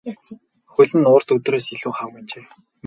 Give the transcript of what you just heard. Хөл нь урд өдрөөс илүү хавагнажээ.